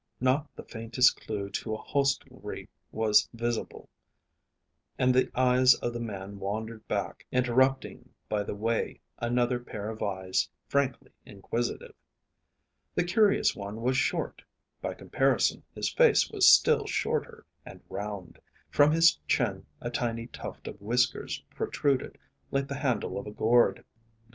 Not the faintest clue to a hostelry was visible, and the eyes of the man wandered back, interrupting by the way another pair of eyes frankly inquisitive. The curious one was short; by comparison his face was still shorter, and round. From his chin a tiny tuft of whiskers protruded, like the handle of a gourd.